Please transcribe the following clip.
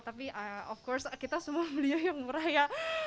tapi tentu saja kita semua beli yang murah ya